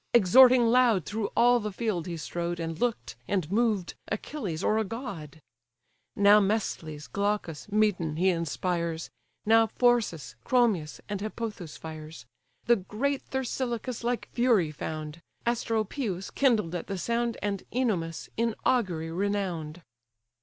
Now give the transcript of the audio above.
Exhorting loud through all the field he strode, And look'd, and moved, Achilles, or a god. Now Mesthles, Glaucus, Medon, he inspires, Now Phorcys, Chromius, and Hippothous fires; The great Thersilochus like fury found, Asteropaeus kindled at the sound, And Ennomus, in augury renown'd.